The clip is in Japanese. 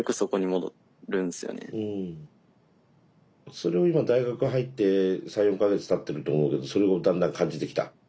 それを今大学入って３４か月たってると思うけどそれをだんだん感じてきた？